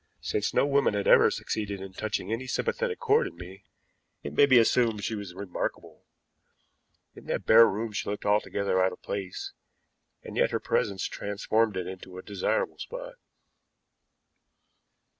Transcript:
Since no woman had ever yet succeeded in touching any sympathetic chord in me, it may be assumed that she was remarkable. In that bare room she looked altogether out of place, and yet her presence transformed it into a desirable spot.